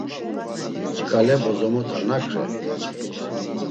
Kale bozomota nak re?